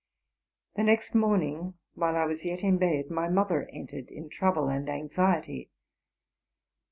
The next morning, while I was yet in bed, my mothe: entered, in trouble and anxiety.